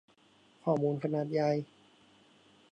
ข้อมูลขนาดใหญ่